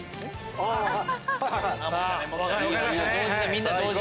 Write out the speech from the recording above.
みんな同時！